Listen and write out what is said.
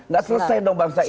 gak selesai dong bangsa ini